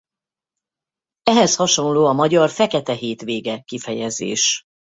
Ehhez hasonló a magyar Fekete Hétvége kifejezés.